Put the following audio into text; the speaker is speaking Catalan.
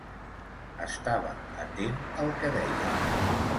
Estava atent al que deien.